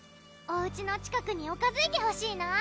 おうちの近くにおかず池ほしいな！